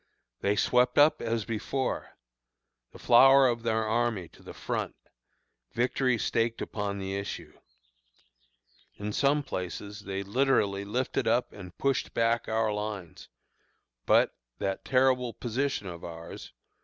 They swept up as before: the flower of their army to the front, victory staked upon the issue. In some places they literally lifted up and pushed back our lines; but, that terrible position of ours!